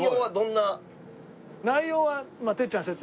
内容はてっちゃん説明。